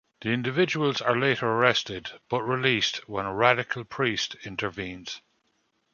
The individuals are later arrested, but released when a "radical priest" intervenes.